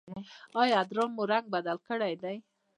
ایا ادرار مو رنګ بدل کړی دی؟